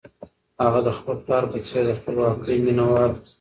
هغه د خپل پلار په څېر د خپلواکۍ مینه وال و.